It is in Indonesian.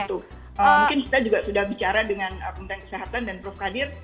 mungkin kita juga sudah bicara dengan kementerian kesehatan dan prof kadir